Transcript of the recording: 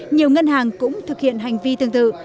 nhiều ngân hàng cũng thực hiện hành vi tương tự